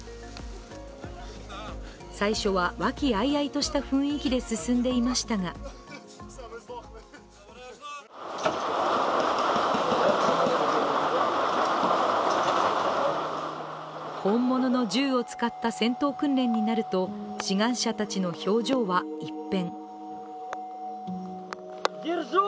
最初は和気あいあいとした雰囲気で進んでいましたが本物の銃を使った戦闘訓練になると志願者たちの表情は一変。